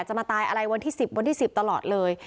มาตายอะไรวันที่๑๐วันที่๑๐ตลอดเลย